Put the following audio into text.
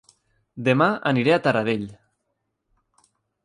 Dema aniré a Taradell